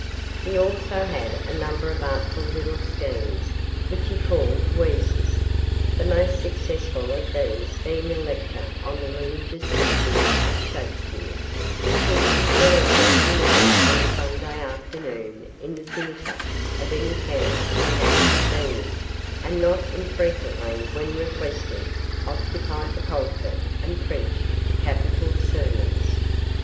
He also had a number of artful little schemes which he called 'wheezes', the most successful of these being a lecture on 'The Religious Teaching of Shakespeare', which he invariably delivered on a Sunday afternoon in the theatre of any town he happened to be in, and not infrequently when requested occupied the pulpit and preached capital sermons.